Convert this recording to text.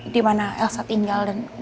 dimana elsa tinggal dan